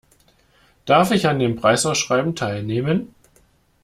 Darf ich an dem Preisausschreiben teilnehmen?